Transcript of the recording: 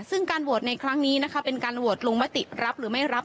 ซึ่งการโหวตในครั้งนี้นะคะเป็นการโหวตลงมติรับหรือไม่รับ